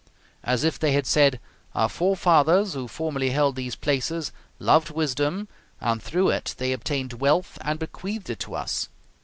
As if they had said, "Our forefathers, who formerly held these places, loved wisdom, and through it they obtained wealth and bequeathed it to us.